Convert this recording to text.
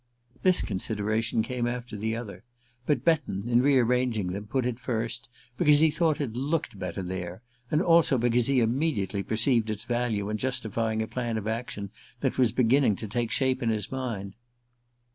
This consideration came after the other, but Betton, in rearranging them, put it first, because he thought it looked better there, and also because he immediately perceived its value in justifying a plan of action that was beginning to take shape in his mind.